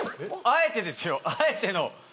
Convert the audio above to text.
あえてですよあえての。